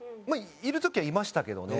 いる時はいましたけどね。